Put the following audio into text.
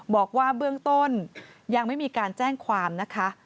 บอกว่าเบื้องต้นยังไม่มีการแจ้งความนะคะ